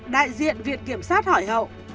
đại diện viện kiểm soát hỏi hậu